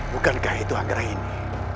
bukankah itu anggara ini